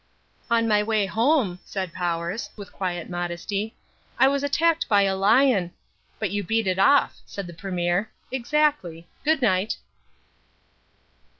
"On my way home," said Powers, with quiet modesty, "I was attacked by a lion " "But you beat it off," said the Premier. "Exactly. Good night."